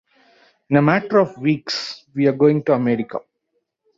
In a matter of weeks?, we are going to América.